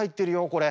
これ。